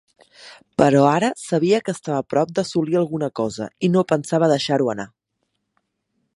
Però ara sabia que estava a prop d'assolir alguna cosa, i no pensava deixar-ho anar.